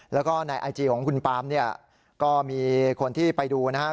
แล้วก็ในไอจีของคุณปามเนี่ยก็มีคนที่ไปดูนะครับ